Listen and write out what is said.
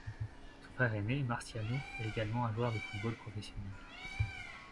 Son frère aîné, Marciano, est également un joueur de football professionnel.